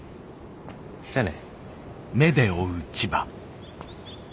じゃあね。